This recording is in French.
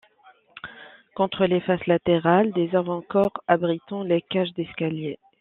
Contre les faces latérales, des avant-corps abritant les cages d’escalier.